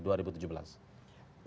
udah menjadi rasanya